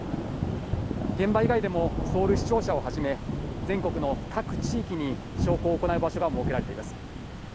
現場以外でもソウル市庁舎をはじめ、全国の各地域に焼香を行う場所が設けられています。